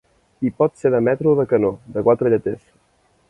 I Pot ser de metro o de canó, de quatre lleters.